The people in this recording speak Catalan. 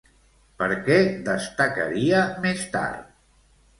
Per què destacaria més tard?